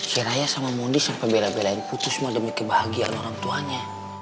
si raya sama monty sampe bela belain putus mah demi kebahagiaan orang tuanya